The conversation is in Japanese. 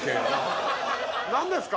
何ですか？